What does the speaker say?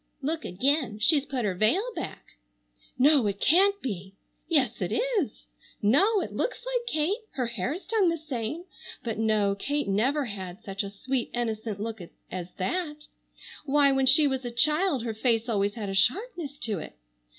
Look again. She's put her veil back. No, it can't be! Yes, it is! No, it looks like Kate! Her hair's done the same, but, no, Kate never had such a sweet innocent look as that. Why, when she was a child her face always had a sharpness to it.